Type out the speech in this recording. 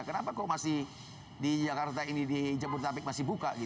kenapa kok masih di jakarta ini di jabodetabek masih buka